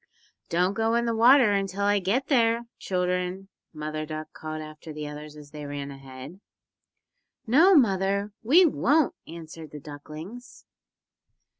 "Don't go in the water until I get there, children," Mother Duck called after the others as they ran ahead. "No, mother, we won't," answered the ducklings.